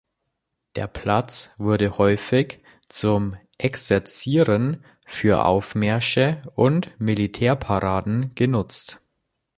Der Platz wurde häufig zum Exerzieren, für Aufmärsche und Militärparaden genutzt.